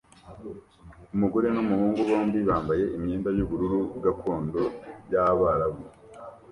Umugore numuhungu bombi bambaye imyenda yubururu gakondo yabarabu